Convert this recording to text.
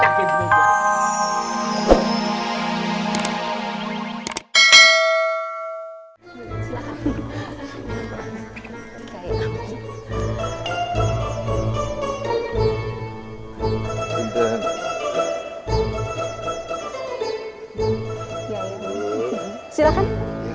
hai bingung silahkan